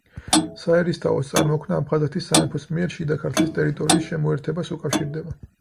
საერისთავოს წარმოქმნა აფხაზეთის სამეფოს მიერ შიდა ქართლის ტერიტორიის შემოერთებას უკავშირდება.